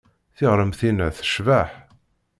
Tiɣremt-inna tecbeḥ.